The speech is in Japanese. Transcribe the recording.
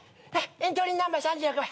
エントリーナンバー３６番。